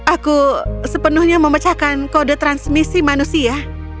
aku sepenuhnya memecahkan kode transmisi manusia